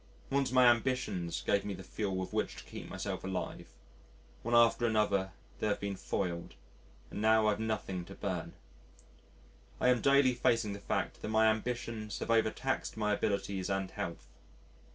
Once my ambitions gave me the fuel with which to keep myself alive. One after another they have been foiled, and now I've nothing to burn. I am daily facing the fact that my ambitions have overtaxed my abilities and health.